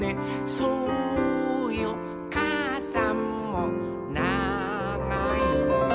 「そうよかあさんもながいのよ」